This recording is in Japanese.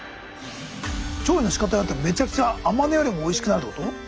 調理のしかたによってめちゃくちゃ甘根よりもおいしくなるってこと？